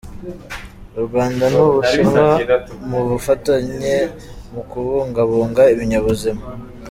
U Rwanda n’u Bushinwa mu bufatanye mu kubungabunga ibinyabuzima